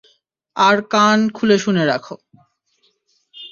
আর কান খুলে শুনে রাখ।